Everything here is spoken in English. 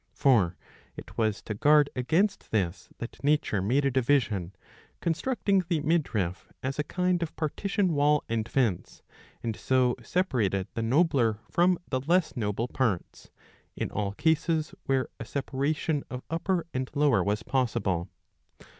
^ For it was to guard against this that nature made a division, constructing the midriff as a kind of partition wall and fence, and so separated the nobler from the less noble parts, in all cases where a separation of upper from lower was possible.